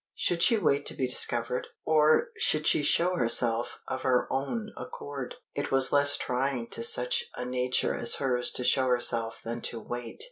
Should she wait to be discovered? or should she show herself of her own accord? It was less trying to such a nature as hers to show herself than to wait.